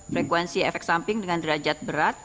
frekuensi efek samping dengan derajat berat